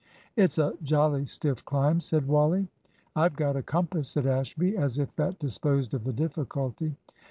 "It's a jolly stiff climb," said Wally. "I've got a compass," said Ashby, as if that disposed of the difficulty.